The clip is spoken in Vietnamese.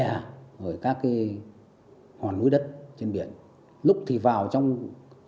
lúc thì vào trong các xã vùng sông các hòn núi đất trên biển các hòn núi đất trên biển